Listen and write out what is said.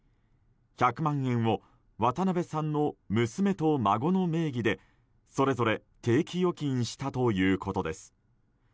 １００万円を渡辺さんの娘と孫の名義でそれぞれ定期預金したということです。